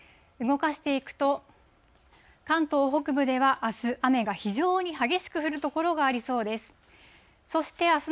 動かしていくと、関東北部では、あす、雨が非常に激しく降る所がありそうです。